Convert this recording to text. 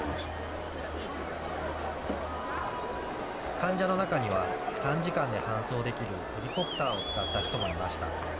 患者の中には、短時間で搬送できるヘリコプターを使った人もいました。